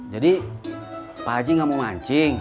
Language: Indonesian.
jadi pak haji gak mau mancing